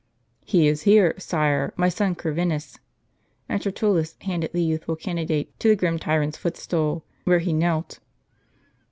"He is here, sire, my son Corvinus." And Tertullus handed the youthful candidate to the grim tyrant's footstool, where he knelt.